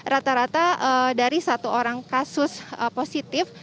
rata rata dari satu orang kasus positif